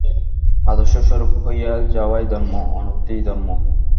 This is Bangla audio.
আদর্শস্বরূপ হইয়া যাওয়াই ধর্ম, অনুভূতিই ধর্ম।